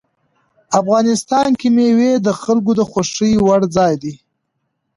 افغانستان کې مېوې د خلکو د خوښې وړ ځای دی.